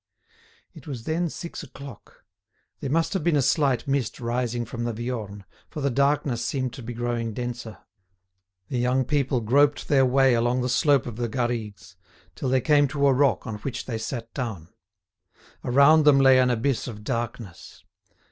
It was then six o'clock. There must have been a slight mist rising from the Viorne, for the darkness seemed to be growing denser. The young people groped their way along the slope of the Garrigues, till they came to a rock on which they sat down. Around them lay an abyss of darkness.